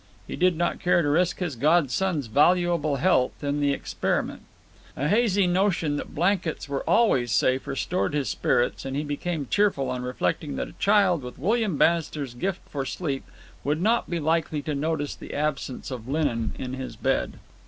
He did not care to risk his godson's valuable health in the experiment. A hazy notion that blankets were always safe restored his spirits, and he became cheerful on reflecting that a child with William Bannister's gift for sleep would not be likely to notice the absence of linen in his bed.